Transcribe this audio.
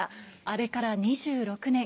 あれから２６年